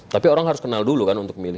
tapi orang harus kenal dulu kan untuk memilih